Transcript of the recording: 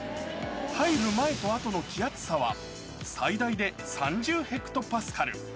入る前と後の気圧差は、最大で３０ヘクトパスカル。